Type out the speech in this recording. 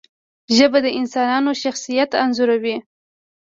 ژبه د انسان شخصیت انځوروي